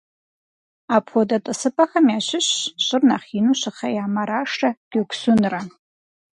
Апхуэдэ тӀысыпӀэхэм ящыщщ щӀыр нэхъ ину щыхъея Марашрэ Гёксунрэ.